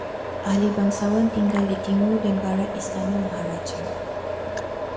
Ahli bangsawan tinggal di timur dan barat istana maharaja